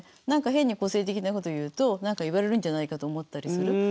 何か変に個性的なこと言うと何か言われるんじゃないかと思ったりする。